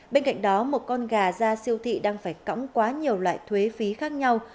bên cạnh đó một con gà ra siêu thị đang phải cõng quá nhiều loại thuế phí khác nhau